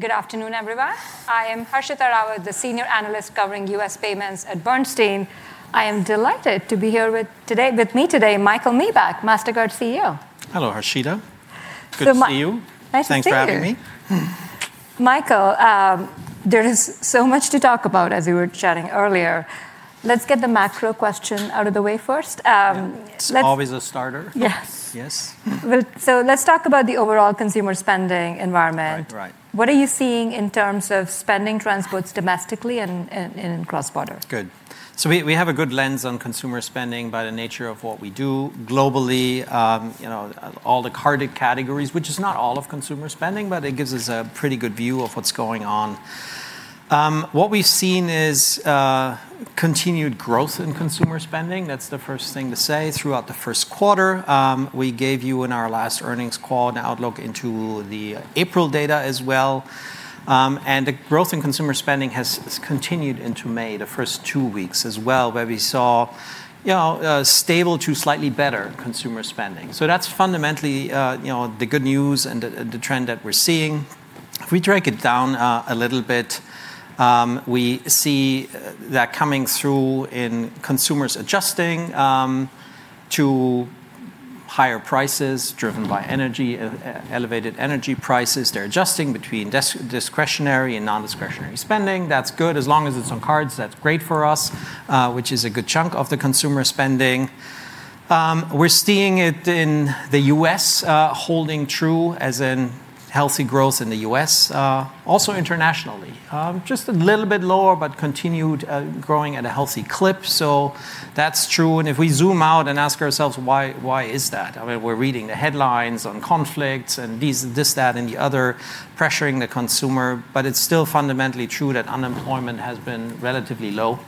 Good afternoon, everyone. I am Harshita Rawat, the senior analyst covering U.S. payments at Bernstein. I am delighted to be here with me today, Michael Miebach, Mastercard CEO. Hello, Harshita. Good to see you. Nice to see you. Thanks for having me. Michael, there is so much to talk about, as we were chatting earlier. Let's get the macro question out of the way first. It's always a starter. Yes. Yes. Let's talk about the overall consumer spending environment. Right. What are you seeing in terms of spending transports domestically and in cross-border? Good. We have a good lens on consumer spending by the nature of what we do globally, all the card categories, which is not all of consumer spending, but it gives us a pretty good view of what's going on. What we've seen is continued growth in consumer spending, that's the first thing to say, throughout the first quarter. We gave you in our last earnings call an outlook into the April data as well. The growth in consumer spending has continued into May, the first two weeks as well, where we saw stable to slightly better consumer spending. That's fundamentally the good news and the trend that we're seeing. If we drag it down a little bit, we see that coming through in consumers adjusting to higher prices, driven by elevated energy prices. They're adjusting between discretionary and non-discretionary spending. That's good. As long as it's on cards, that's great for us, which is a good chunk of the consumer spending. We're seeing it in the U.S., holding true as in healthy growth in the U.S. Also internationally, just a little bit lower, but continued growing at a healthy clip. That's true, and if we zoom out and ask ourselves why is that? We're reading the headlines on conflicts and this, that, and the other pressuring the consumer, but it's still fundamentally true that unemployment has been relatively low.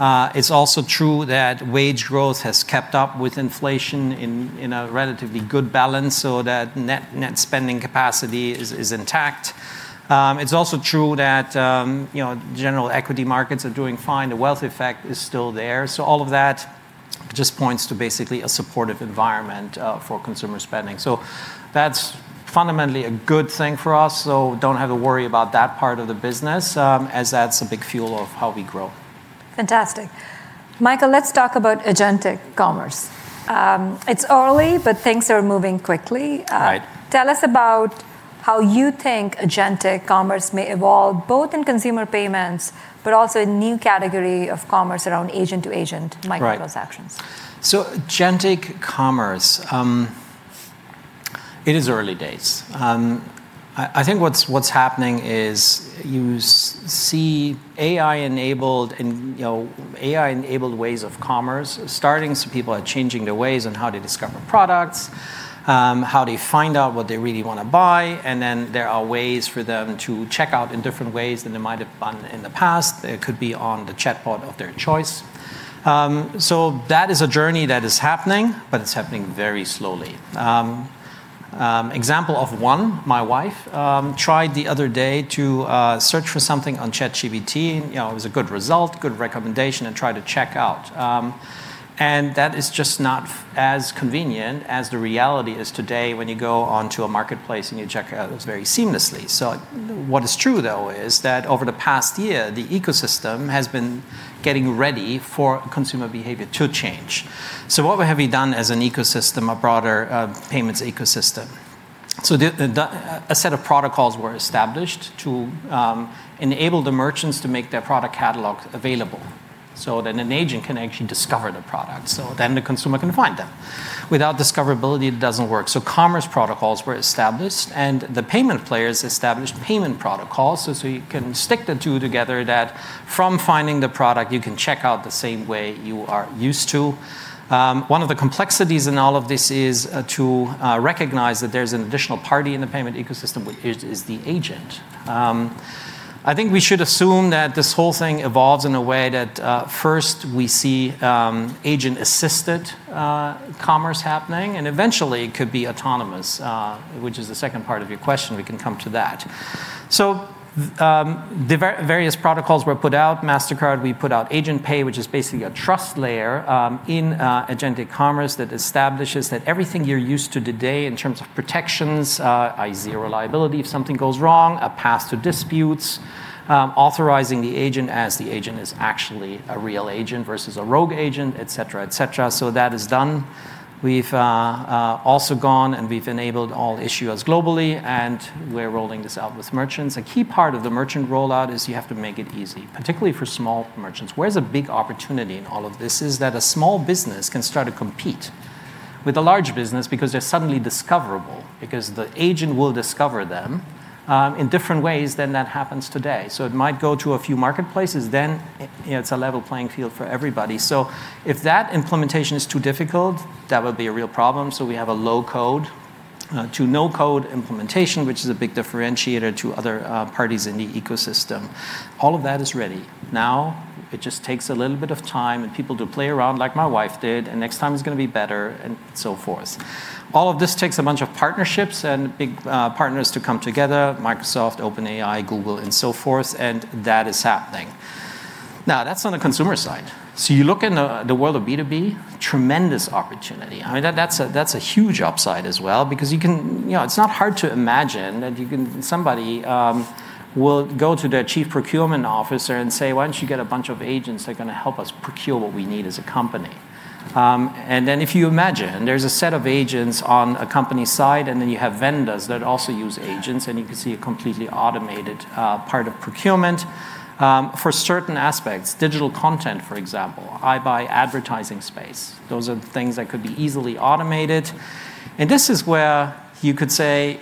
It's also true that wage growth has kept up with inflation in a relatively good balance so that net spending capacity is intact. It's also true that general equity markets are doing fine. The wealth effect is still there. All of that just points to basically a supportive environment for consumer spending. That's fundamentally a good thing for us, so don't have to worry about that part of the business, as that's a big fuel of how we grow. Fantastic. Michael, let's talk about agentic commerce. It's early, but things are moving quickly. Right. Tell us about how you think agentic commerce may evolve, both in consumer payments, but also a new category of commerce around agent to agent micro-transactions. Right. agentic commerce. It is early days. I think what's happening is you see AI-enabled ways of commerce starting, so people are changing their ways on how to discover products, how they find out what they really want to buy, and then there are ways for them to check out in different ways than they might have been in the past. It could be on the chatbot of their choice. That is a journey that is happening, but it's happening very slowly. Example of one, my wife tried the other day to search for something on ChatGPT, and it was a good result, good recommendation, and tried to check out. That is just not as convenient as the reality is today when you go onto a marketplace and you check out, it's very seamlessly. What is true, though, is that over the past year, the ecosystem has been getting ready for consumer behavior to change. What have we done as an ecosystem, a broader payments ecosystem? A set of protocols were established to enable the merchants to make their product catalog available so that an agent can actually discover the product, so then the consumer can find them. Without discoverability, it doesn't work. Commerce protocols were established, and the payment players established payment protocols, so you can stick the two together that from finding the product, you can check out the same way you are used to. One of the complexities in all of this is to recognize that there's an additional party in the payment ecosystem, which is the agent. I think we should assume that this whole thing evolves in a way that first we see agent-assisted commerce happening, and eventually it could be autonomous, which is the second part of your question. We can come to that. The various protocols were put out. Mastercard, we put out Agent Pay, which is basically a trust layer in agentic commerce that establishes that everything you're used to today in terms of protections, i.e. reliability if something goes wrong, a path to disputes, authorizing the agent as the agent is actually a real agent versus a rogue agent, et cetera. That is done. We've also gone and we've enabled all issuers globally, and we're rolling this out with merchants. A key part of the merchant rollout is you have to make it easy, particularly for small merchants, where there's a big opportunity in all of this, is that a small business can start to compete with a large business because they're suddenly discoverable, because the agent will discover them in different ways than that happens today. It might go to a few marketplaces, then it's a level playing field for everybody. If that implementation is too difficult, that would be a real problem. We have a low code to no code implementation, which is a big differentiator to other parties in the ecosystem. All of that is ready. Now, it just takes a little bit of time and people to play around like my wife did, and next time it's going to be better and so forth. All of this takes a bunch of partnerships and big partners to come together, Microsoft, OpenAI, Google, and so forth, and that is happening. Now, that's on the consumer side. You look in the world of B2B, tremendous opportunity. That's a huge upside as well, because it's not hard to imagine that somebody will go to their chief procurement officer and say, "Why don't you get a bunch of agents that are going to help us procure what we need as a company?" If you imagine, there's a set of agents on a company side, and then you have vendors that also use agents, and you can see a completely automated part of procurement for certain aspects. Digital content, for example. I buy advertising space. Those are the things that could be easily automated. This is where you could say,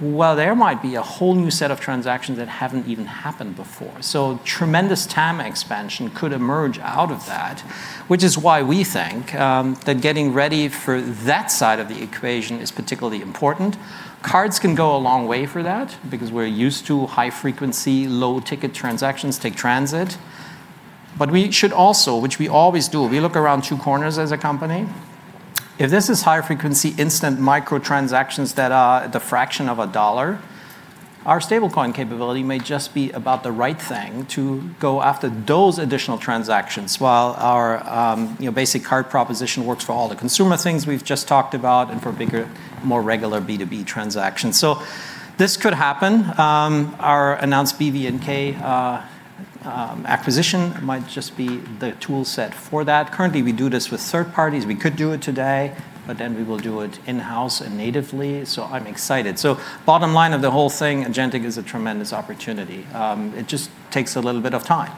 well, there might be a whole new set of transactions that haven't even happened before. Tremendous TAM expansion could emerge out of that, which is why we think that getting ready for that side of the equation is particularly important. Cards can go a long way for that because we're used to high-frequency, low-ticket transactions take transit. We should also, which we always do, we look around two corners as a company. If this is higher frequency, instant micro transactions that are the fraction of a dollar, our stablecoin capability may just be about the right thing to go after those additional transactions, while our basic card proposition works for all the consumer things we've just talked about, and for bigger, more regular B2B transactions. This could happen. Our announced BVNK acquisition might just be the tool set for that. Currently, we do this with third parties. We could do it today, but then we will do it in-house and natively. I'm excited. Bottom line of the whole thing, agentic is a tremendous opportunity. It just takes a little bit of time.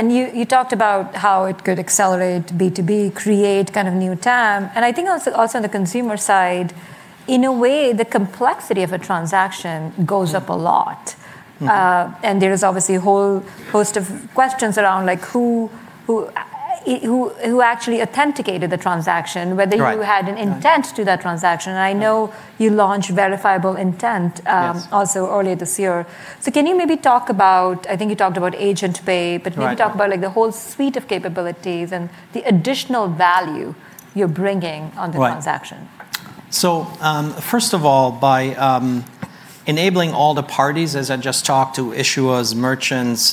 You talked about how it could accelerate B2B, create kind of new TAM. I think also on the consumer side, in a way, the complexity of a transaction goes up a lot. There is obviously a whole host of questions around who actually authenticated the transaction. Right whether you had an intent to that transaction. I know you launched Verifiable Intent. Yes also earlier this year. Can you maybe talk about, I think you talked about Agent Pay? Right Maybe talk about the whole suite of capabilities and the additional value you're bringing on the transaction? Right. First of all, by enabling all the parties, as I just talked, to issuers, merchants,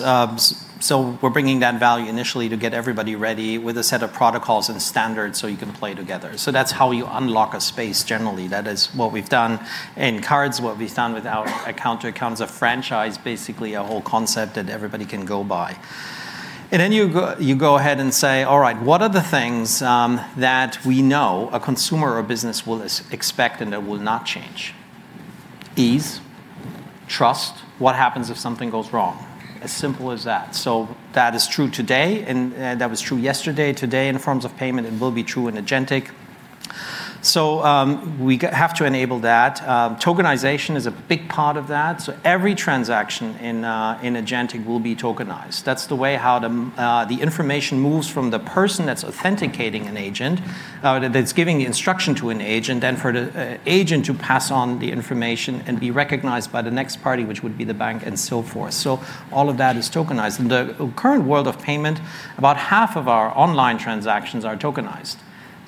hubs, we're bringing that value initially to get everybody ready with a set of protocols and standards so you can play together. That's how you unlock a space, generally. That is what we've done in cards, what we've done with our account-to-account as a franchise, basically a whole concept that everybody can go by. You go ahead and say, all right, what are the things that we know a consumer or business will expect and that will not change? Ease, trust, what happens if something goes wrong? As simple as that. That is true today, and that was true yesterday, today in forms of payment, and will be true in agentic. We have to enable that. tokenization is a big part of that. Every transaction in agentic will be tokenized. That's the way how the information moves from the person that's authenticating an agent, that's giving the instruction to an agent, and for the agent to pass on the information and be recognized by the next party, which would be the bank and so forth. All of that is tokenized. In the current world of payment, about half of our online transactions are tokenized.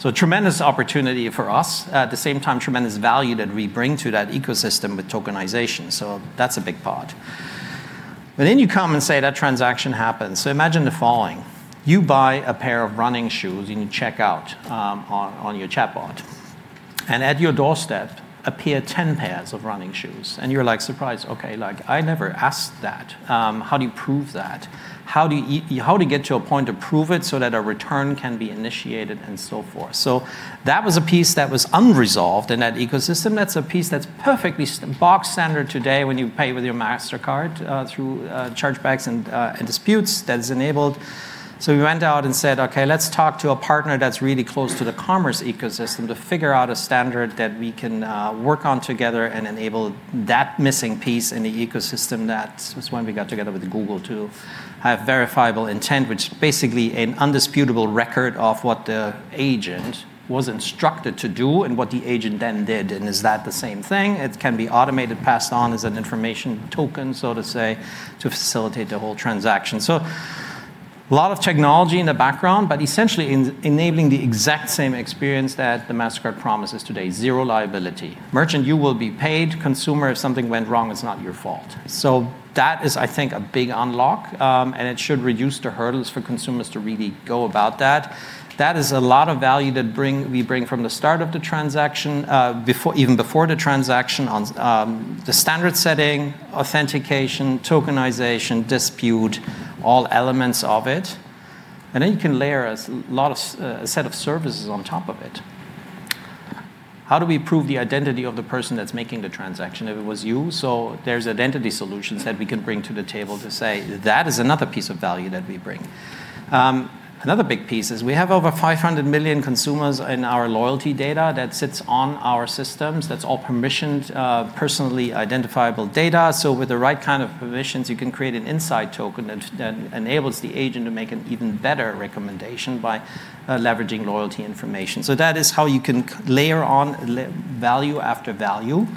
Tremendous opportunity for us. At the same time, tremendous value that we bring to that ecosystem with tokenization. That's a big part. You come and say that transaction happens. Imagine the following. You buy a pair of running shoes and you check out on your chatbot. At your doorstep appear 10 pairs of running shoes, and you're surprised. Okay, I never asked that. How do you prove that? How do you get to a point to prove it so that a return can be initiated and so forth? That was a piece that was unresolved in that ecosystem. That's a piece that's perfectly bog standard today when you pay with your Mastercard, through chargebacks and disputes, that is enabled. We went out and said, "Okay, let's talk to a partner that's really close to the commerce ecosystem to figure out a standard that we can work on together and enable that missing piece in the ecosystem." That was when we got together with Google to have Verifiable Intent, which basically an undisputable record of what the agent was instructed to do and what the agent then did, and is that the same thing? It can be automated, passed on as an information token, so to say, to facilitate the whole transaction. A lot of technology in the background, but essentially enabling the exact same experience that the Mastercard promise is today, Zero Liability. Merchant, you will be paid. Consumer, if something went wrong, it's not your fault. That is, I think, a big unlock, and it should reduce the hurdles for consumers to really go about that. That is a lot of value that we bring from the start of the transaction, even before the transaction, on the standard setting, authentication, tokenization, dispute, all elements of it. You can layer a set of services on top of it. How do we prove the identity of the person that's making the transaction? If it was you, so there's identity solutions that we can bring to the table to say that is another piece of value that we bring. Another big piece is we have over 500 million consumers in our loyalty data that sits on our systems, that's all permissioned, personally identifiable data. With the right kind of permissions, you can create an insight token that then enables the agent to make an even better recommendation by leveraging loyalty information. That is how you can layer on value after value.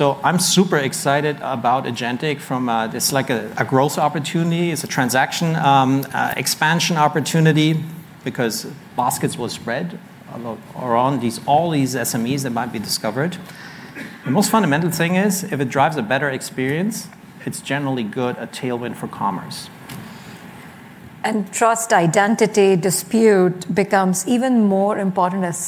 I'm super excited about agentic. It's like a growth opportunity. It's a transaction expansion opportunity. Because baskets will spread around all these SMEs that might be discovered. The most fundamental thing is if it drives a better experience, it's generally good, a tailwind for commerce. Trust identity dispute becomes even more important as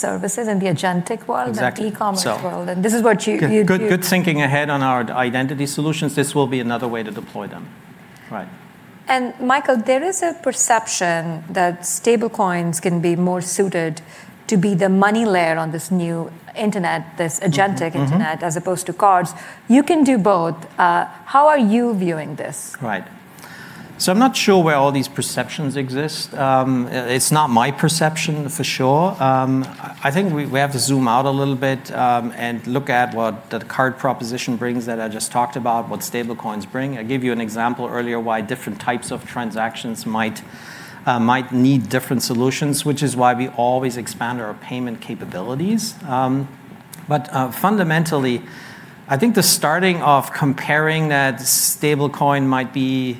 services in the agentic world. Exactly than e-commerce world. Good thinking ahead on our identity solutions. This will be another way to deploy them. Right. Michael, there is a perception that stablecoins can be more suited to be the money layer on this new Internet, this agentic Internet. as opposed to cards. You can do both. How are you viewing this? Right. I'm not sure where all these perceptions exist. It's not my perception, for sure. I think we have to zoom out a little bit and look at what the card proposition brings that I just talked about, what stablecoins bring. I gave you an example earlier why different types of transactions might need different solutions, which is why we always expand our payment capabilities. Fundamentally, I think the starting of comparing that stablecoin might be,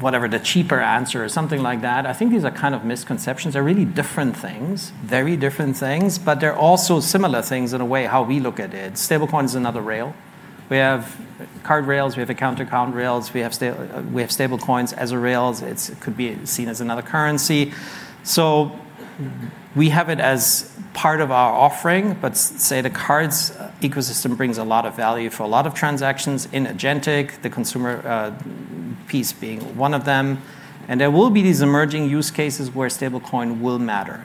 whatever the cheaper answer or something like that, I think these are kind of misconceptions. They're really different things, very different things, but they're also similar things in a way how we look at it. Stablecoin is another rail. We have card rails, we have account to account rails, we have stablecoins as a rails. It could be seen as another currency. We have it as part of our offering, but say the cards ecosystem brings a lot of value for a lot of transactions in agentic, the consumer piece being one of them. There will be these emerging use cases where stablecoin will matter.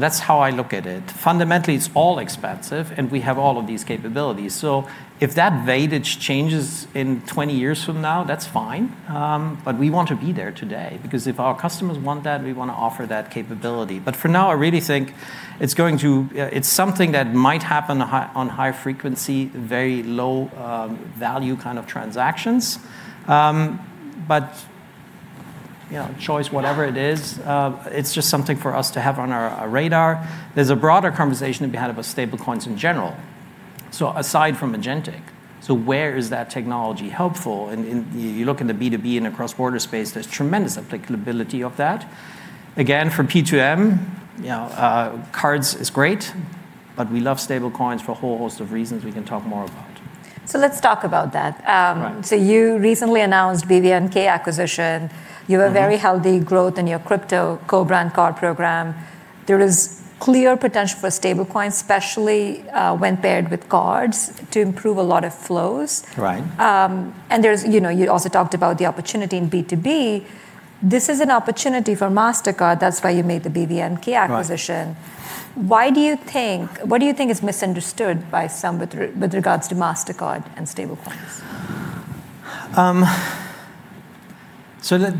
That's how I look at it. Fundamentally, it's all expansive and we have all of these capabilities. If that weightage changes in 20 years from now, that's fine. We want to be there today because if our customers want that, we want to offer that capability. For now, I really think it's something that might happen on high frequency, very low value kind of transactions. Choice, whatever it is, it's just something for us to have on our radar. There's a broader conversation to be had about stable coins in general. Aside from agentic, so where is that technology helpful? You look in the B2B and across border space, there's tremendous applicability of that. Again, for P2M, cards is great, but we love stablecoin for a whole host of reasons we can talk more about. Let's talk about that. Right. You recently announced BVNK acquisition. You have very healthy growth in your crypto co-brand card program. There is clear potential for stablecoins, especially when paired with cards to improve a lot of flows. Right. You also talked about the opportunity in B2B. This is an opportunity for Mastercard, that's why you made the BVNK acquisition. Right. What do you think is misunderstood by some with regards to Mastercard and stablecoins?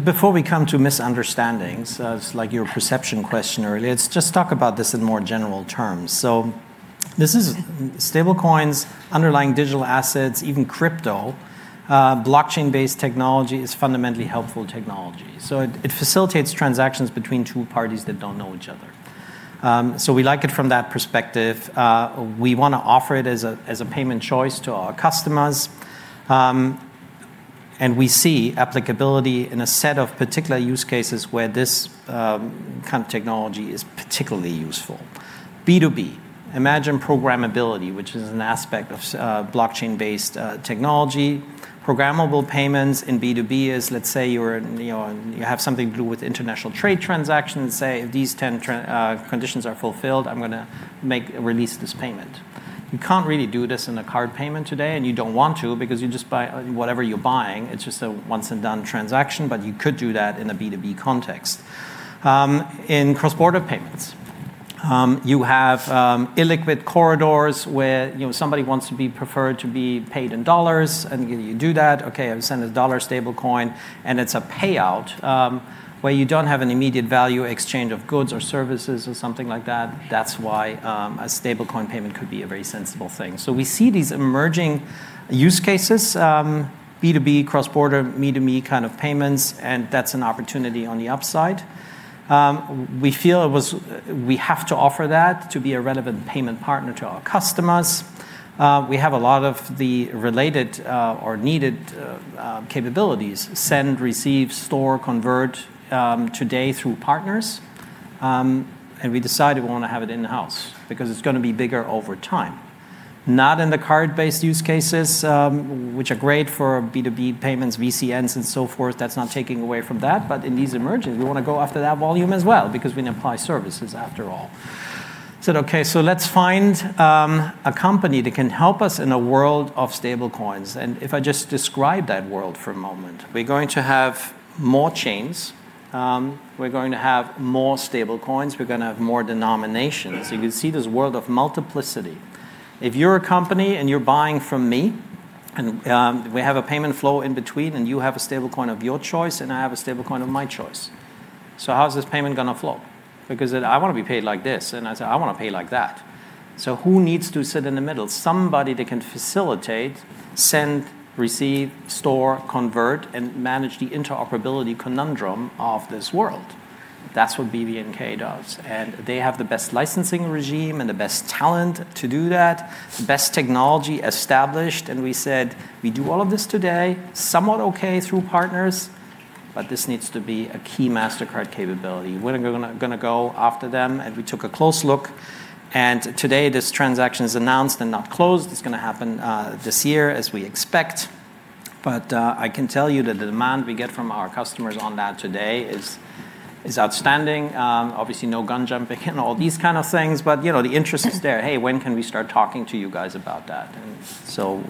Before we come to misunderstandings, like your perception question earlier, let's just talk about this in more general terms. Stablecoins, underlying digital assets, even crypto, blockchain-based technology is fundamentally helpful technology. It facilitates transactions between two parties that don't know each other. We like it from that perspective. We want to offer it as a payment choice to our customers. We see applicability in a set of particular use cases where this kind of technology is particularly useful. B2B, imagine programmability, which is an aspect of blockchain-based technology. Programmable payments in B2B is, let's say you have something to do with international trade transactions. Say if these 10 conditions are fulfilled, I'm going to release this payment. You can't really do this in a card payment today, and you don't want to because whatever you're buying, it's just a once and done transaction, but you could do that in a B2B context. In cross-border payments, you have illiquid corridors where somebody wants to be preferred to be paid in U.S. dollars, and you do that. Okay, I've sent a dollar stablecoin, and it's a payout, where you don't have an immediate value exchange of goods or services or something like that. That's why a stablecoin payment could be a very sensible thing. We see these emerging use cases, B2B, cross-border, me to me kind of payments, and that's an opportunity on the upside. We feel we have to offer that to be a relevant payment partner to our customers. We have a lot of the related or needed capabilities, send, receive, store, convert, today through partners. We decided we want to have it in-house because it's going to be bigger over time. Not in the card-based use cases, which are great for B2B payments, VCNs and so forth. That's not taking away from that. In these emerging, we want to go after that volume as well because we apply services after all. Said, okay, let's find a company that can help us in a world of stable coins. If I just describe that world for a moment, we're going to have more chains, we're going to have more stable coins, we're going to have more denominations. You can see this world of multiplicity. If you're a company and you're buying from me, and we have a payment flow in between, and you have a stablecoin of your choice, and I have a stablecoin of my choice. How's this payment going to flow? I want to be paid like this, and I say I want to pay like that. Who needs to sit in the middle? Somebody that can facilitate, send, receive, store, convert, and manage the interoperability conundrum of this world. That's what BVNK does. They have the best licensing regime and the best talent to do that, the best technology established, and we said, "We do all of this today, somewhat okay through partners, but this needs to be a key Mastercard capability." We're going to go after them, and we took a close look, and today this transaction is announced and not closed. It's going to happen this year, as we expect. I can tell you that the demand we get from our customers on that today is outstanding. Obviously, no gun jumping in all these kind of things, but the interest is there. "Hey, when can we start talking to you guys about that?"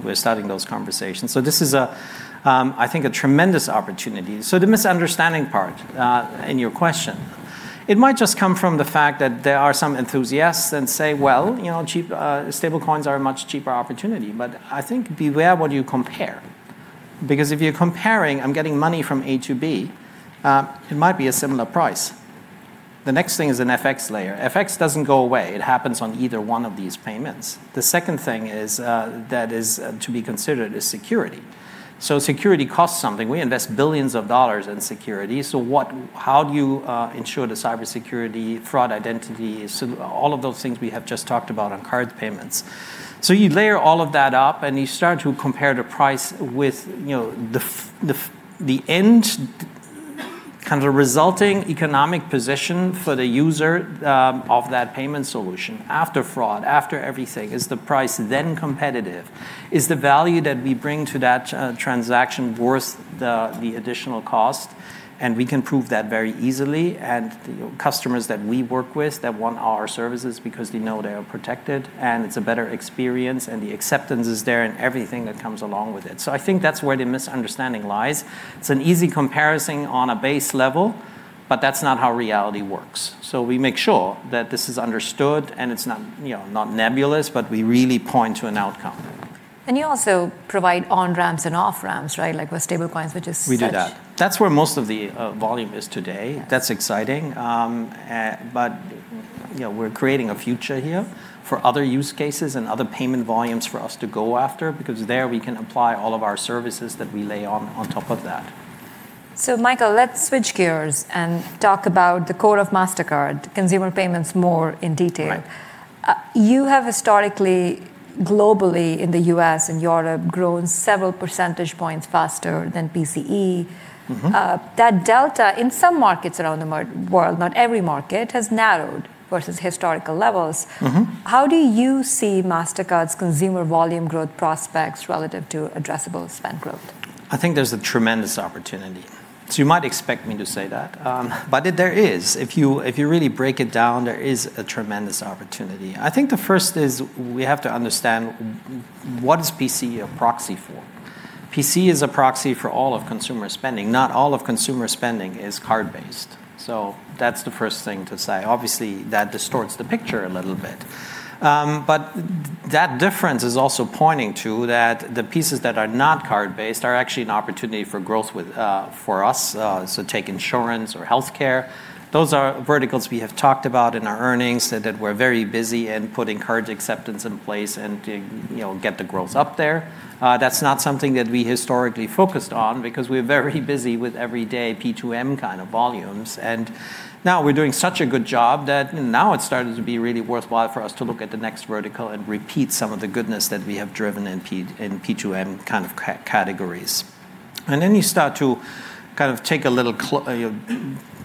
We're starting those conversations. This is, I think, a tremendous opportunity. The misunderstanding part in your question, it might just come from the fact that there are some enthusiasts that say, "Well, stablecoins are a much cheaper opportunity." I think beware what you compare, because if you're comparing, I'm getting money from A to B, it might be a similar price. The next thing is an FX layer. FX doesn't go away. It happens on either one of these payments. The second thing that is to be considered is security. Security costs something. We invest billions of dollars in security. How do you ensure the cybersecurity, fraud identity? All of those things we have just talked about on card payments. You layer all of that up and you start to compare the price with the end resulting economic position for the user of that payment solution after fraud, after everything. Is the price then competitive? Is the value that we bring to that transaction worth the additional cost? We can prove that very easily, and customers that we work with want our services because they know they are protected, and it's a better experience, and the acceptance is there, and everything that comes along with it. I think that's where the misunderstanding lies. It's an easy comparison on a base level, but that's not how reality works. We make sure that this is understood and it's not nebulous, but we really point to an outcome. You also provide on-ramps and off-ramps, right? Like with stablecoins. We do that. That's where most of the volume is today. Yeah. That's exciting. We're creating a future here for other use cases and other payment volumes for us to go after because there we can apply all of our services that we lay on top of that. Michael, let's switch gears and talk about the core of Mastercard, consumer payments more in detail. Right. You have historically, globally in the U.S. and Europe, grown several percentage points faster than PCE. That delta in some markets around the world, not every market, has narrowed versus historical levels. How do you see Mastercard's consumer volume growth prospects relative to addressable spend growth? I think there's a tremendous opportunity. You might expect me to say that, but there is. If you really break it down, there is a tremendous opportunity. I think the first is we have to understand what is PCE a proxy for. PCE is a proxy for all of consumer spending. Not all of consumer spending is card-based. That's the first thing to say. Obviously, that distorts the picture a little bit. That difference is also pointing to that the pieces that are not card-based are actually an opportunity for growth for us. Take insurance or healthcare, those are verticals we have talked about in our earnings that we're very busy in putting card acceptance in place and to get the growth up there. That's not something that we historically focused on because we're very busy with everyday P2M kind of volumes. Now we're doing such a good job that now it's starting to be really worthwhile for us to look at the next vertical and repeat some of the goodness that we have driven in P2M kind of categories. You start to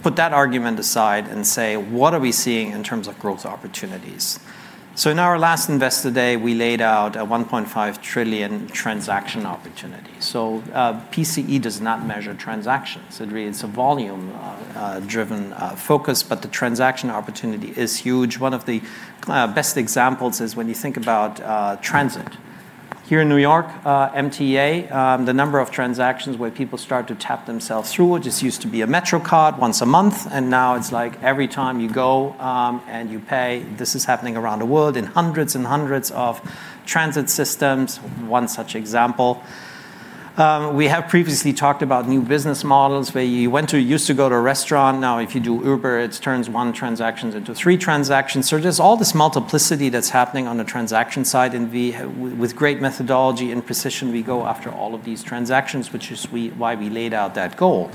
put that argument aside and say, what are we seeing in terms of growth opportunities? In our last investor day, we laid out a 1.5 trillion transaction opportunity. PCE does not measure transactions. It's a volume-driven focus, but the transaction opportunity is huge. One of the best examples is when you think about transit. Here in New York, MTA, the number of transactions where people start to tap themselves through, it just used to be a MetroCard once a month, and now it's like every time you go and you pay. This is happening around the world in hundreds and hundreds of transit systems. One such example. We have previously talked about new business models where you used to go to a restaurant, now if you do Uber, it turns one transaction into three transactions. There's all this multiplicity that's happening on the transaction side, and with great methodology and precision, we go after all of these transactions, which is why we laid out that goal.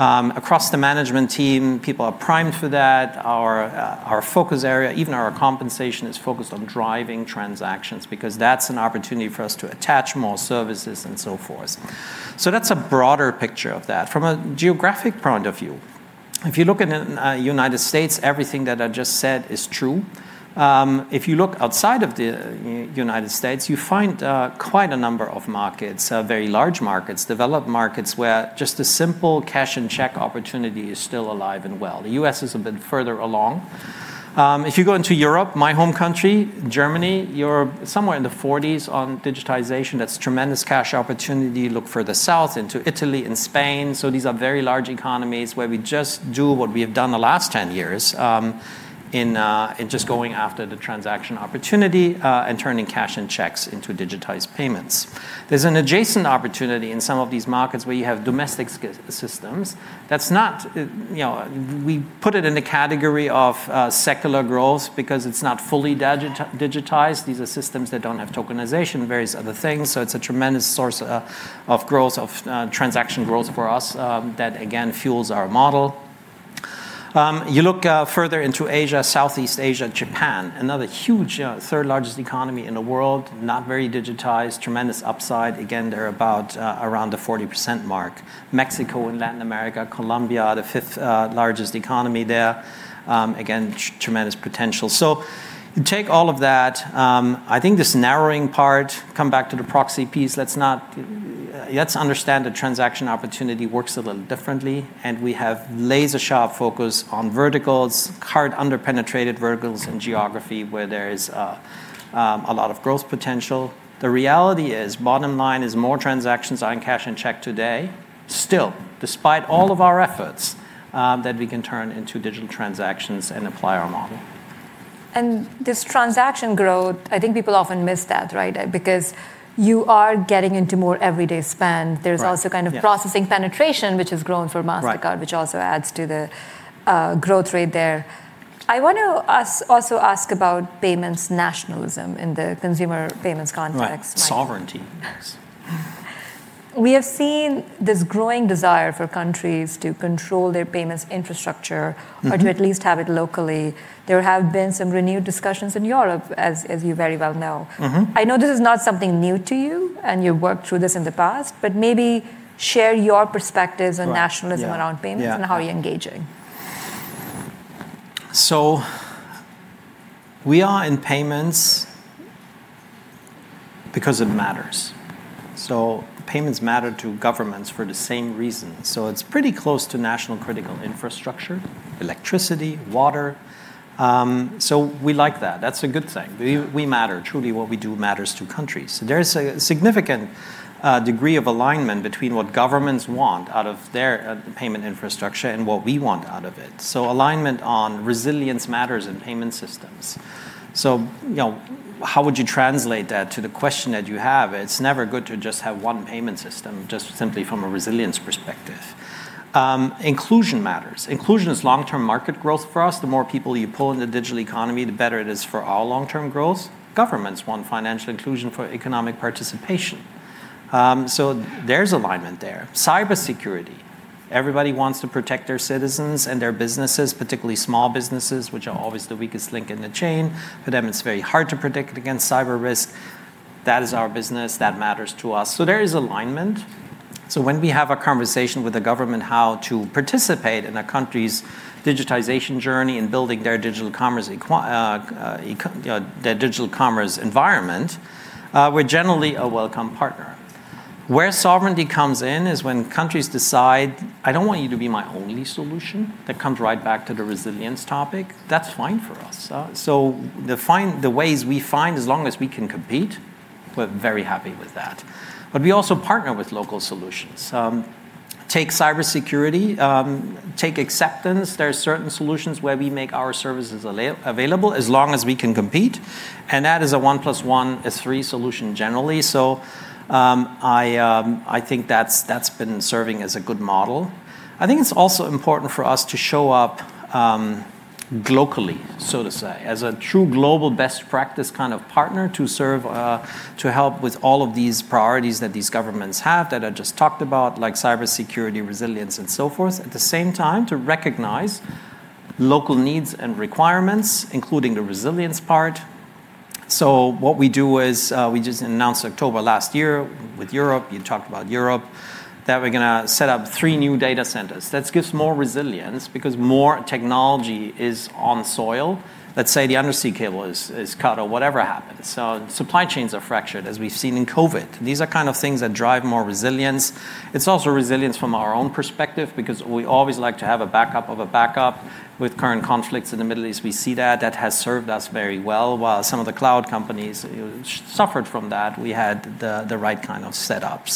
Across the management team, people are primed for that. Our focus area, even our compensation is focused on driving transactions because that's an opportunity for us to attach more services and so forth. That's a broader picture of that. From a geographic point of view, if you look at United States, everything that I just said is true. If you look outside of the U.S., you find quite a number of markets, very large markets, developed markets, where just a simple cash and check opportunity is still alive and well. The U.S. is a bit further along. If you go into Europe, my home country, Germany, you're somewhere in the 40s on digitization. That's tremendous cash opportunity. Look further south into Italy and Spain. These are very large economies where we just do what we have done the last 10 years in just going after the transaction opportunity and turning cash and checks into digitized payments. There's an adjacent opportunity in some of these markets where you have domestic systems. We put it in the category of secular growth because it's not fully digitized. These are systems that don't have tokenization, various other things, so it's a tremendous source of transaction growth for us that, again, fuels our model. You look further into Asia, Southeast Asia, Japan, another huge, third largest economy in the world, not very digitized, tremendous upside. Again, they're about around the 40% mark. Mexico and Latin America, Colombia, the fifth largest economy there. Again, tremendous potential. You take all of that. I think this narrowing part, come back to the proxy piece. Let's understand the transaction opportunity works a little differently, and we have laser sharp focus on verticals, hard under-penetrated verticals and geography where there is a lot of growth potential. The reality is, bottom line is more transactions are in cash and check today still, despite all of our efforts, that we can turn into digital transactions and apply our model. This transaction growth, I think people often miss that, right? Because you are getting into more everyday spend. Right. Yeah. There's also kind of processing penetration, which has grown for Mastercard. Right which also adds to the growth rate there. I want to also ask about payments nationalism in the consumer payments context. Right. Sovereignty. Yes. We have seen this growing desire for countries to control their payments infrastructure. or to at least have it locally. There have been some renewed discussions in Europe as you very well know. I know this is not something new to you, and you've worked through this in the past, but maybe share your perspectives on nationalism. Right. Yeah. around payments and how you're engaging. We are in payments because it matters. The payments matter to governments for the same reason. It's pretty close to national critical infrastructure, electricity, water. We like that. That's a good thing. Yeah. We matter. Truly what we do matters to countries. There is a significant degree of alignment between what governments want out of their payment infrastructure and what we want out of it. Alignment on resilience matters in payment systems. How would you translate that to the question that you have? It's never good to just have one payment system, just simply from a resilience perspective. Inclusion matters. Inclusion is long-term market growth for us. The more people you pull in the digital economy, the better it is for all long-term growth. Governments want financial inclusion for economic participation. There's alignment there. Cybersecurity, everybody wants to protect their citizens and their businesses, particularly small businesses, which are always the weakest link in the chain. For them, it's very hard to protect against cyber risk. That is our business. That matters to us. There is alignment. When we have a conversation with the government, how to participate in a country's digitization journey and building their digital commerce environment, we're generally a welcome partner. Where sovereignty comes in is when countries decide, "I don't want you to be my only solution." That comes right back to the resilience topic. That's fine for us. The ways we find, as long as we can compete, we're very happy with that. We also partner with local solutions. Take cybersecurity, take acceptance. There are certain solutions where we make our services available as long as we can compete, and that is a one plus one is three solution generally. I think that's been serving as a good model. I think it's also important for us to show up globally, so to say, as a true global best practice kind of partner to help with all of these priorities that these governments have that I just talked about, like cybersecurity, resilience and so forth. At the same time, to recognize local needs and requirements, including the resilience part. What we do is, we just announced October last year with Europe, you talked about Europe, that we're going to set up three new data centers. That gives more resilience because more technology is on soil. Let's say the undersea cable is cut or whatever happens. Supply chains are fractured, as we've seen in COVID. These are kind of things that drive more resilience. It's also resilience from our own perspective because we always like to have a backup of a backup. With current conflicts in the Middle East, we see that. That has served us very well. While some of the cloud companies suffered from that, we had the right kind of setup.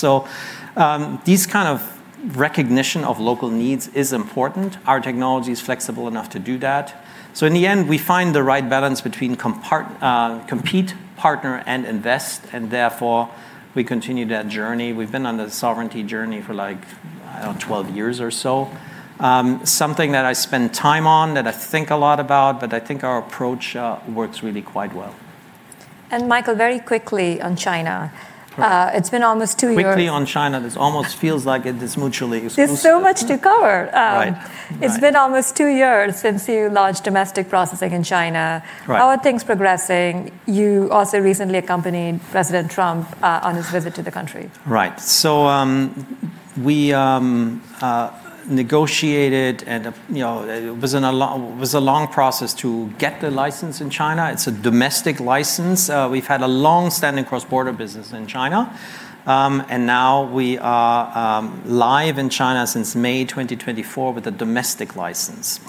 This kind of recognition of local needs is important. Our technology's flexible enough to do that. In the end, we find the right balance between compete, partner, and invest, and therefore we continue that journey. We've been on the sovereignty journey for like, I don't know, 12 years or so. Something that I spend time on, that I think a lot about, but I think our approach works really quite well. Michael, very quickly on China. Right. It's been almost two years. Quickly on China, this almost feels like it is mutually exclusive. There's so much to cover. Right. It's been almost two years since you launched domestic processing in China. Right. How are things progressing? You also recently accompanied President Trump on his visit to the country. Right. We negotiated and it was a long process to get the license in China. It's a domestic license. We've had a longstanding cross-border business in China. Now we are live in China since May 2024 with a domestic license.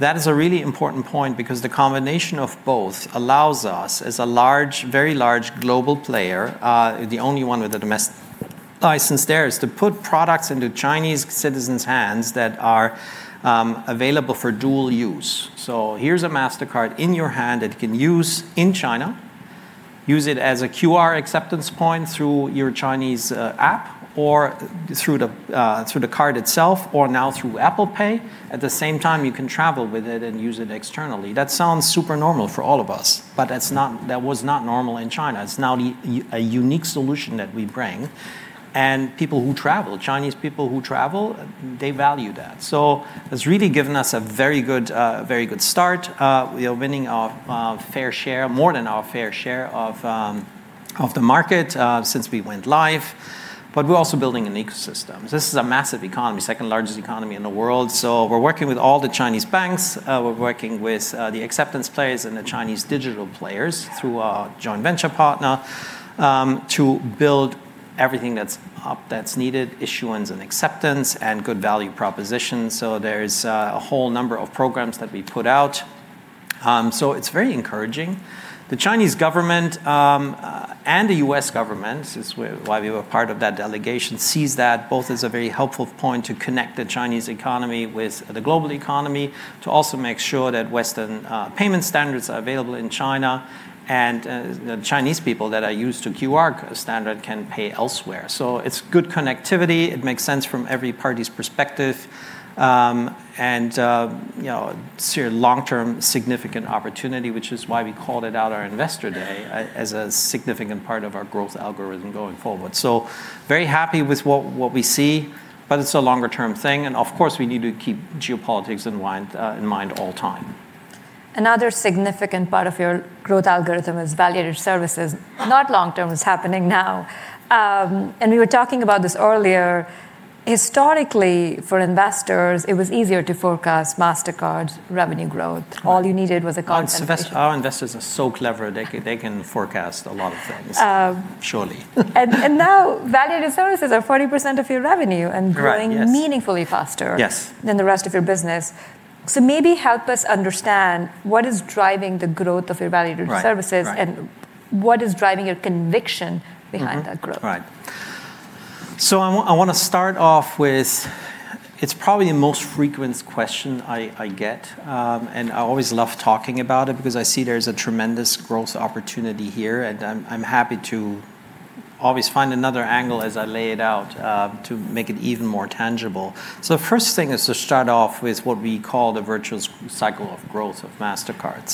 That is a really important point because the combination of both allows us, as a very large global player, the only one with a domestic license there, is to put products into Chinese citizens' hands that are available for dual use. Here's a Mastercard in your hand that you can use in China. Use it as a QR acceptance point through your Chinese app, or through the card itself, or now through Apple Pay. At the same time, you can travel with it and use it externally. That sounds super normal for all of us, but that was not normal in China. It's now a unique solution that we bring, and people who travel, Chinese people who travel, they value that. It's really given us a very good start. We are winning our fair share, more than our fair share, of the market since we went live. We're also building an ecosystem. This is a massive economy, second-largest economy in the world. We're working with all the Chinese banks, we're working with the acceptance players and the Chinese digital players through our joint venture partner, to build everything that's needed, issuance and acceptance, and good value propositions. There's a whole number of programs that we put out. It's very encouraging. The Chinese government and the U.S. government, this is why we were part of that delegation, sees that both as a very helpful point to connect the Chinese economy with the global economy, to also make sure that Western payment standards are available in China, and the Chinese people that are used to QR standard can pay elsewhere. It's good connectivity. It makes sense from every party's perspective. Long-term significant opportunity, which is why we called it out our Investor Day as a significant part of our growth algorithm going forward. Very happy with what we see, but it's a longer-term thing. Of course, we need to keep geopolitics in mind all the time. Another significant part of your growth algorithm is value-added services, not long-term, it's happening now. We were talking about this earlier. Historically, for investors, it was easier to forecast Mastercard's revenue growth. Right. All you needed was a concentration. Our investors are so clever, they can forecast a lot of things. Oh. Surely. Now, value-added services are 40% of your revenue. Correct, yes. and growing meaningfully faster. Yes than the rest of your business. maybe help us understand what is driving the growth of your value-added services. Right. Right. What is driving your conviction? behind that growth? Right. I want to start off with, it's probably the most frequent question I get, and I always love talking about it because I see there's a tremendous growth opportunity here, and I'm happy to always find another angle as I lay it out to make it even more tangible. First thing is to start off with what we call the virtuous cycle of growth of Mastercard.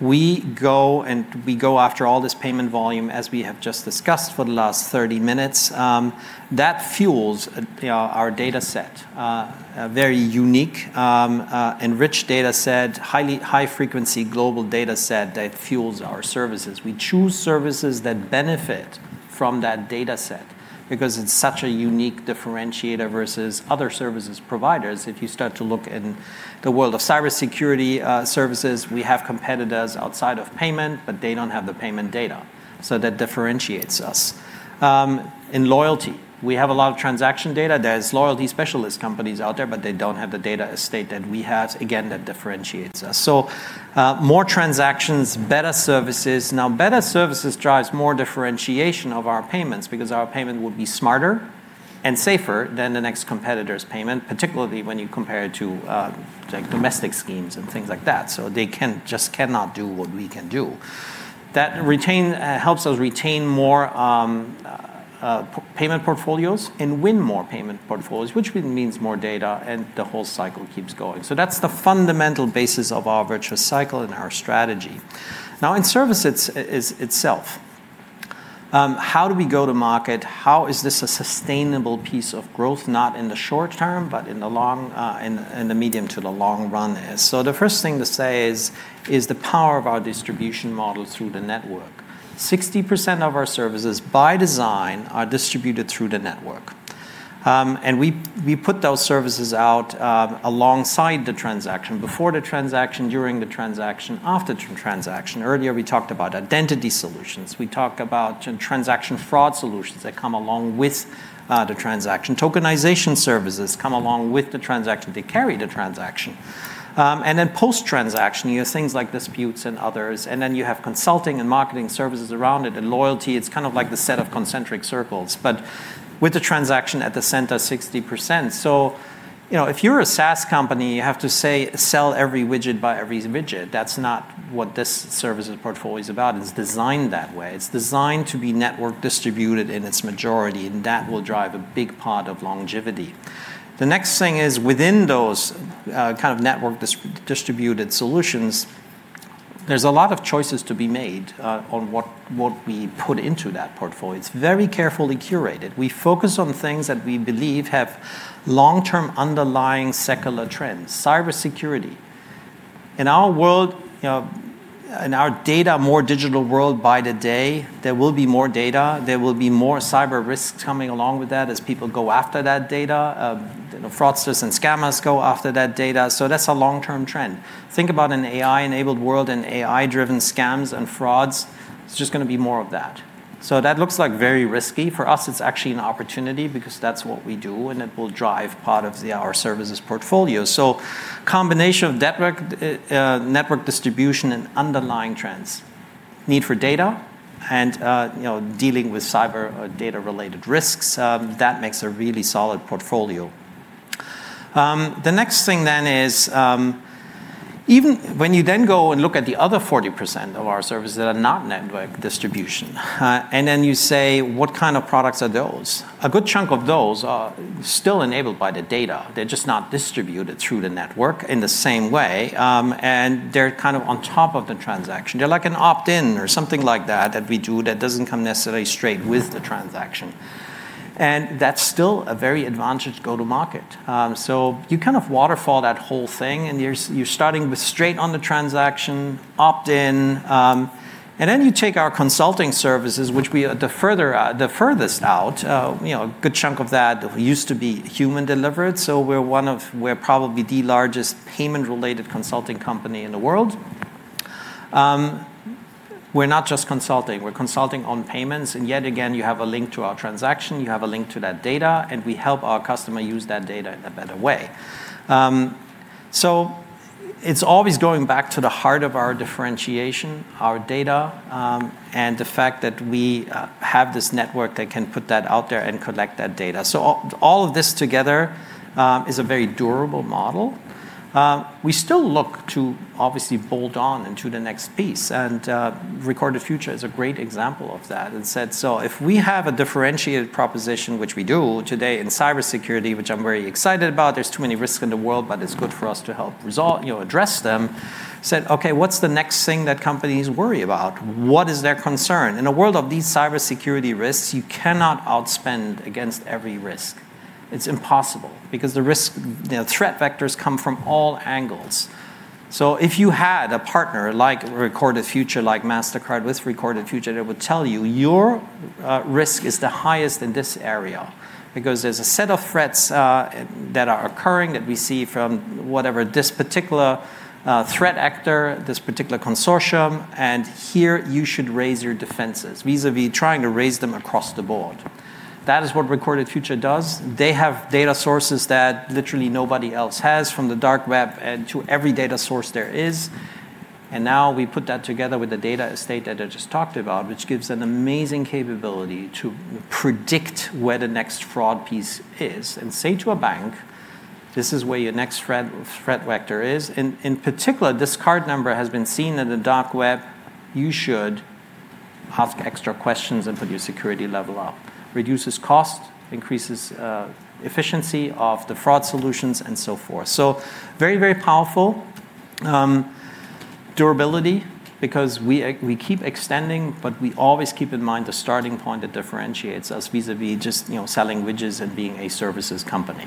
We go after all this payment volume, as we have just discussed for the last 30 minutes. That fuels our dataset, a very unique and rich dataset, high-frequency global dataset that fuels our services. We choose services that benefit from that dataset because it's such a unique differentiator versus other services providers. If you start to look in the world of cybersecurity services, we have competitors outside of payment, but they don't have the payment data. That differentiates us. In loyalty, we have a lot of transaction data. There's loyalty specialist companies out there, they don't have the data estate that we have. Again, that differentiates us. More transactions, better services. Better services drives more differentiation of our payments because our payment would be smarter and safer than the next competitor's payment, particularly when you compare it to domestic schemes and things like that. They just cannot do what we can do. That helps us retain more payment portfolios and win more payment portfolios, which means more data, and the whole cycle keeps going. That's the fundamental basis of our virtuous cycle and our strategy. In service itself, how do we go to market? How is this a sustainable piece of growth, not in the short term, but in the medium to the long run? The first thing to say is the power of our distribution model through the network. 60% of our services, by design, are distributed through the network. We put those services out alongside the transaction, before the transaction, during the transaction, after the transaction. Earlier, we talked about identity solutions. We talk about transaction fraud solutions that come along with the transaction. Tokenization services come along with the transaction. They carry the transaction. Post-transaction, you have things like disputes and others, and you have consulting and marketing services around it, and loyalty. It's kind of like the set of concentric circles. With the transaction at the center, 60%. If you're a SaaS company, you have to, say, sell every widget, buy every widget. That's not what this services portfolio is about. It's designed that way. It's designed to be network distributed in its majority, and that will drive a big part of longevity. The next thing is within those kind of network distributed solutions, there's a lot of choices to be made on what we put into that portfolio. It's very carefully curated. We focus on things that we believe have long-term, underlying secular trends. Cybersecurity. In our world, in our data more digital world by the day, there will be more data, there will be more cyber risks coming along with that as people go after that data. Fraudsters and scammers go after that data. That's a long-term trend. Think about an AI-enabled world and AI-driven scams and frauds. It's just going to be more of that. That looks very risky. For us, it's actually an opportunity because that's what we do, and it will drive part of our services portfolio. Combination of network distribution and underlying trends. Need for data and dealing with cyber data-related risks, that makes a really solid portfolio. The next thing then is, when you then go and look at the other 40% of our services that are not network distribution, and then you say, "What kind of products are those?" A good chunk of those are still enabled by the data. They're just not distributed through the network in the same way, and they're kind of on top of the transaction. They're like an opt-in or something like that we do, that doesn't come necessarily straight with the transaction. That's still a very advantage go-to market. You kind of waterfall that whole thing, and you're starting with straight on the transaction, opt-in. Then you take our consulting services, which the furthest out, a good chunk of that used to be human-delivered. We're probably the largest payment-related consulting company in the world. We're not just consulting. We're consulting on payments, and yet again, you have a link to our transaction, you have a link to that data, and we help our customer use that data in a better way. It's always going back to the heart of our differentiation, our data, and the fact that we have this network that can put that out there and collect that data. All of this together is a very durable model. We still look to obviously bolt-on into the next piece, and Recorded Future is a great example of that. Said, so if we have a differentiated proposition, which we do today in cybersecurity, which I'm very excited about, there's too many risks in the world, but it's good for us to help address them. Said, "Okay, what's the next thing that companies worry about? What is their concern?" In a world of these cybersecurity risks, you cannot outspend against every risk. It's impossible, because the threat vectors come from all angles. If you had a partner like Recorded Future, like Mastercard with Recorded Future, that would tell you, your risk is the highest in this area, because there's a set of threats that are occurring that we see from whatever this particular threat actor, this particular consortium, and here you should raise your defenses, vis-à-vis trying to raise them across the board. That is what Recorded Future does. They have data sources that literally nobody else has, from the dark web and to every data source there is. Now we put that together with the data estate that I just talked about, which gives an amazing capability to predict where the next fraud piece is, and say to a bank, "This is where your next threat vector is. In particular, this card number has been seen in the dark web. You should ask extra questions and put your security level up." Reduces cost, increases efficiency of the fraud solutions, and so forth. Very powerful. Durability, because we keep extending, but we always keep in mind the starting point that differentiates us vis-à-vis just selling widgets and being a services company.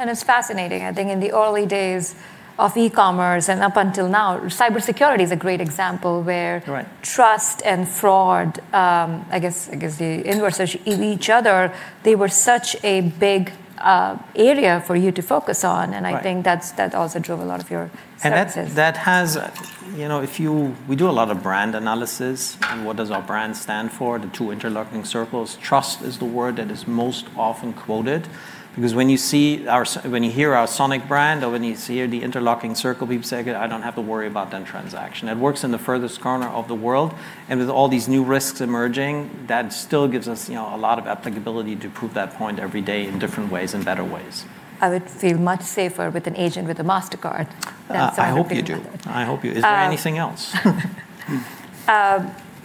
It's fascinating. I think in the early days of e-commerce and up until now, cybersecurity is a great example where. Correct trust and fraud, I guess the inverse of each other, they were such a big area for you to focus on. Right. I think that also drove a lot of your services. We do a lot of brand analysis, and what does our brand stand for, the two interlocking circles. Trust is the word that is most often quoted, because when you hear ou r sonic brand or when you hear the interlocking circle, people say, "I don't have to worry about that transaction." It works in the furthest corner of the world. With all these new risks emerging, that still gives us a lot of applicability to prove that point every day in different ways and better ways. I would feel much safer with an agent with a Mastercard than something. I hope you do. Is there anything else?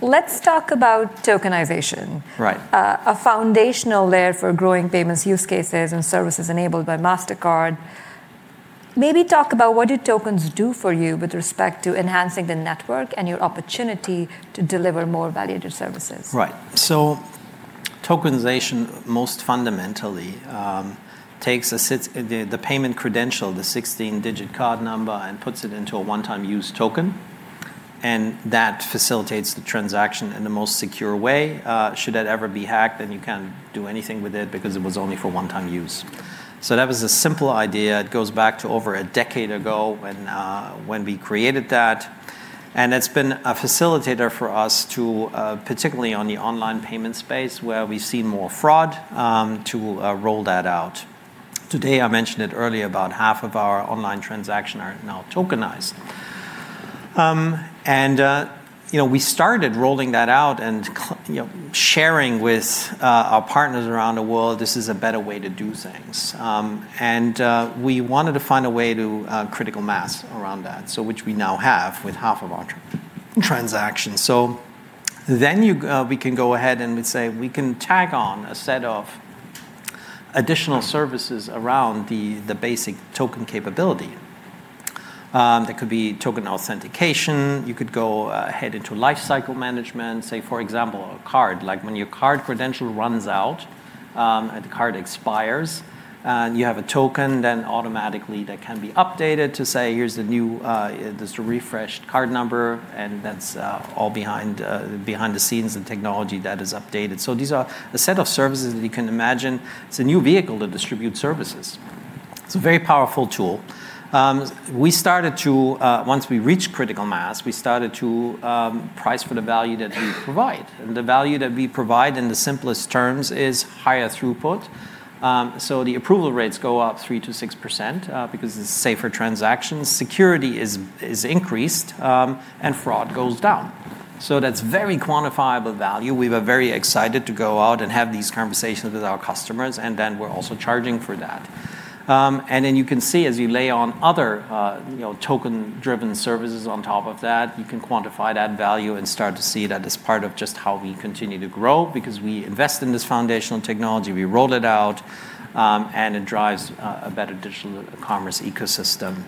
Let's talk about tokenization. Right. A foundational layer for growing payments use cases, and services enabled by Mastercard. Talk about what do tokens do for you with respect to enhancing the network and your opportunity to deliver more valuable services? Right. Tokenization, most fundamentally, takes the payment credential, the 16-digit card number, and puts it into a one-time use token, and that facilitates the transaction in the most secure way. Should that ever be hacked, then you can't do anything with it because it was only for one-time use. That was a simple idea. It goes back to over a decade ago when we created that. It's been a facilitator for us to, particularly on the online payment space where we've seen more fraud, to roll that out. Today, I mentioned it earlier, about half of our online transaction are now tokenized. We started rolling that out and sharing with our partners around the world, this is a better way to do things. We wanted to find a way to critical mass around that. Which we now have with half of our transactions. We can go ahead and say, we can tag on a set of additional services around the basic token capability. That could be token authentication. You could go ahead into life cycle management. Say, for example, a card. Like when your card credential runs out, and the card expires, and you have a token, then automatically that can be updated to say, "Here's the refreshed card number," and that's all behind the scenes and technology that is updated. These are a set of services that you can imagine. It's a new vehicle to distribute services. It's a very powerful tool. Once we reached critical mass, we started to price for the value that we provide. The value that we provide, in the simplest terms, is higher throughput. The approval rates go up 3%-6%, because it's safer transactions, security is increased, and fraud goes down. That's a very quantifiable value. We were very excited to go out and have these conversations with our customers, and then we're also charging for that. Then you can see, as you lay on other token-driven services on top of that, you can quantify that value and start to see that as part of just how we continue to grow, because we invest in this foundational technology, we rolled it out, and it drives a better digital commerce ecosystem.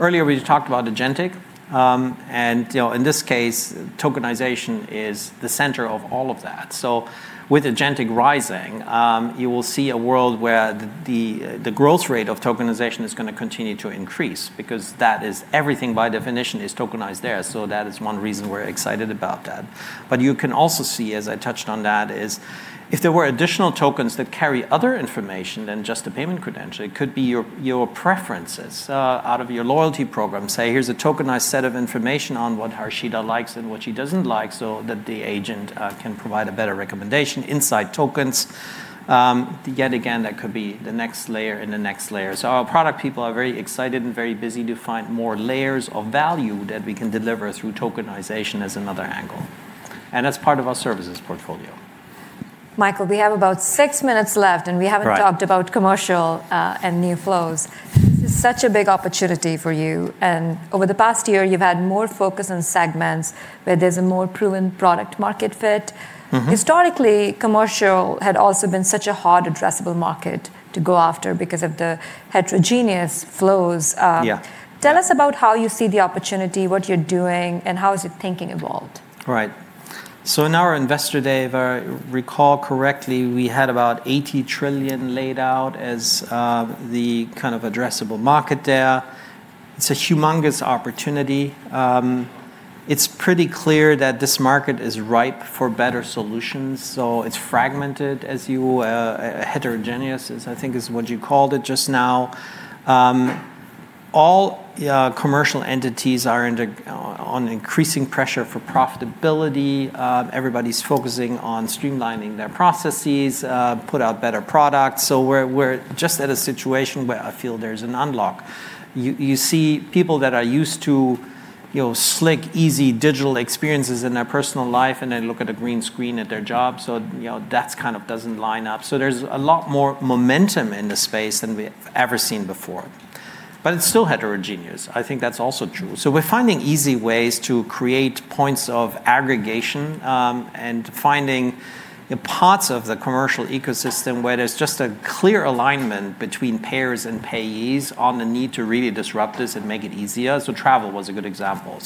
Earlier, we talked about agentic, and in this case, tokenization is the center of all of that. With agentic rising, you will see a world where the growth rate of tokenization is going to continue to increase, because everything by definition is tokenized there. That is one reason we're excited about that. You can also see, as I touched on that, is if there were additional tokens that carry other information than just the payment credential, it could be your preferences out of your loyalty program. Say, here's a tokenized set of information on what Harshita likes and what she doesn't like, so that the agent can provide a better recommendation inside tokens. Again, that could be the next layer and the next layer. Our product people are very excited and very busy to find more layers of value that we can deliver through tokenization as another angle. That's part of our services portfolio. Michael, we have about six minutes left, and we haven't- Right talked about commercial and new flows. This is such a big opportunity for you. Over the past year, you've had more focus on segments where there's a more proven product market fit. Historically, commercial had also been such a hard addressable market to go after because of the heterogeneous flows. Yeah. Tell us about how you see the opportunity, what you're doing, and how has your thinking evolved? Right. In our Investor Day, if I recall correctly, we had about $80 trillion laid out as the kind of addressable market there. It's a humongous opportunity. It's pretty clear that this market is ripe for better solutions. It's fragmented, heterogeneous, I think is what you called it just now. All commercial entities are on increasing pressure for profitability. Everybody's focusing on streamlining their processes, put out better products. We're just at a situation where I feel there's an unlock. You see people that are used to slick, easy digital experiences in their personal life, and they look at a green screen at their job, so that kind of doesn't line up. There's a lot more momentum in the space than we've ever seen before, but it's still heterogeneous. I think that's also true. We're finding easy ways to create points of aggregation, and finding parts of the commercial ecosystem where there's just a clear alignment between payers and payees on the need to really disrupt this and make it easier. Travel was a good example.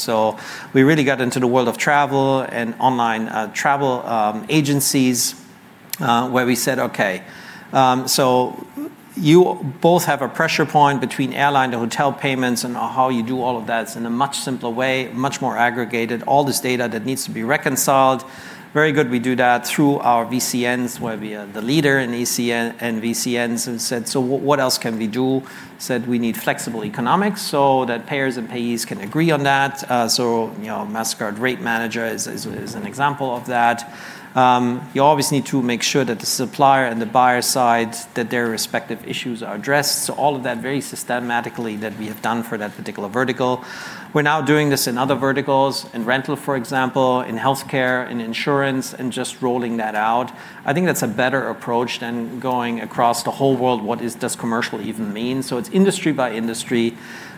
We really got into the world of travel and online travel agencies, where we said, "Okay, so you both have a pressure point between airline to hotel payments, and how you do all of that in a much simpler way, much more aggregated, all this data that needs to be reconciled." Very good. We do that through our VCNs, where we are the leader in ECN and VCNs and said, "What else can we do?" Said, "We need flexible economics so that payers and payees can agree on that." Mastercard Cross-Border Fee Manager is an example of that. You always need to make sure that the supplier and the buyer side, that their respective issues are addressed. All of that very systematically that we have done for that particular vertical. We're now doing this in other verticals, in rental, for example, in healthcare, in insurance, and just rolling that out. I think that's a better approach than going across the whole world, what does commercial even mean? It's industry by industry.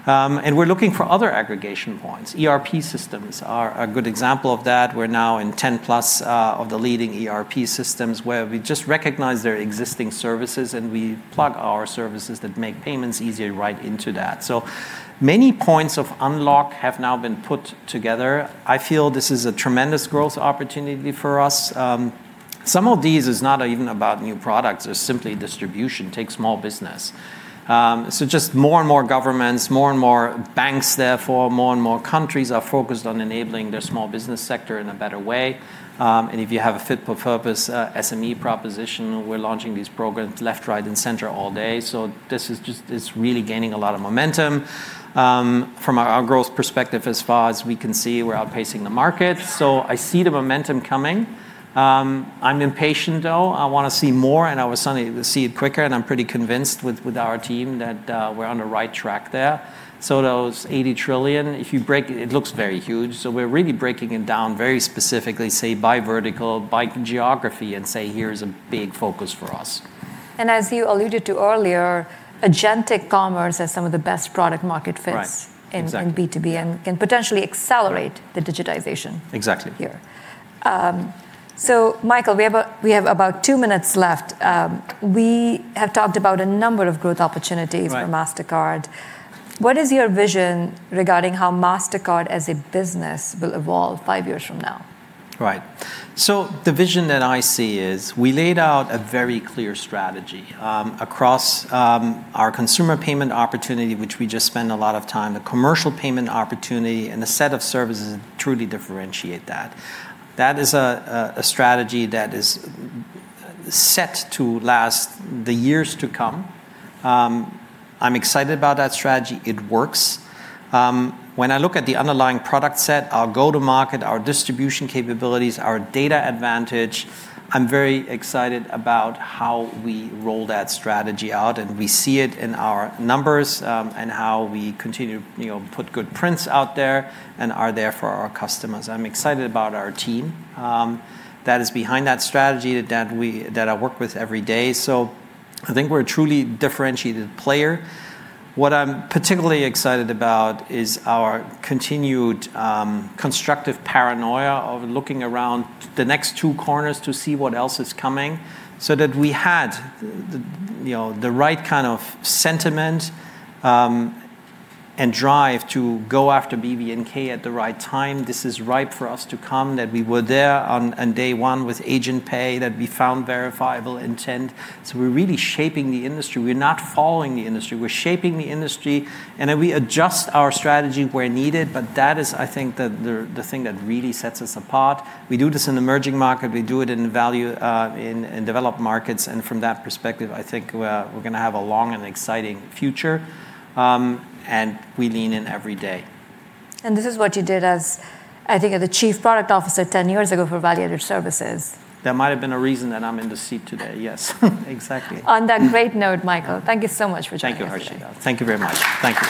We're looking for other aggregation points. ERP systems are a good example of that. We're now in 10 plus of the leading ERP systems, where we just recognize their existing services, and we plug our services that make payments easier right into that. Many points of unlock have now been put together. I feel this is a tremendous growth opportunity for us. Some of these is not even about new products, it's simply distribution. Take small business. Just more and more governments, more and more banks therefore, more and more countries are focused on enabling their small business sector in a better way. If you have a fit for purpose SME proposition, we're launching these programs left, right, and center all day. This is just really gaining a lot of momentum. From our growth perspective, as far as we can see, we're outpacing the market, so I see the momentum coming. I'm impatient, though. I want to see more, and I would suddenly see it quicker, and I'm pretty convinced with our team that we're on the right track there. Those $80 trillion, if you break it looks very huge. We're really breaking it down very specifically, say, by vertical, by geography, and say, "Here's a big focus for us. As you alluded to earlier, agentic commerce has some of the best product market fits. Right. Exactly. in B2B, and can potentially accelerate the digitization. Exactly here. Michael, we have about two minutes left. We have talked about a number of growth opportunities. Right for Mastercard. What is your vision regarding how Mastercard as a business will evolve five years from now? Right. The vision that I see is, we laid out a very clear strategy across our consumer payment opportunity, which we just spend a lot of time, the commercial payment opportunity, and the set of services that truly differentiate that. That is a strategy that is set to last the years to come. I'm excited about that strategy. It works. When I look at the underlying product set, our go to market, our distribution capabilities, our data advantage, I'm very excited about how we roll that strategy out, and we see it in our numbers, and how we continue to put good prints out there and are there for our customers. I'm excited about our team that is behind that strategy, that I work with every day. I think we're a truly differentiated player. What I'm particularly excited about is our continued constructive paranoia of looking around the next two corners to see what else is coming, so that we had the right kind of sentiment and drive to go after BVNK at the right time. This is ripe for us to come, that we were there on day one with Agent Pay, that we found Verifiable Intent. We're really shaping the industry. We're not following the industry. We're shaping the industry, we adjust our strategy where needed, but that is, I think, the thing that really sets us apart. We do this in emerging market, we do it in developed markets, from that perspective, I think we're going to have a long and exciting future. We lean in every day. This is what you did as the Chief Product Officer 10 years ago for Value Added Services. That might've been a reason that I'm in the seat today. Yes. Exactly. On that great note, Michael, thank you so much for joining us today. Thank you, Harshita. Thank you very much. Thank you.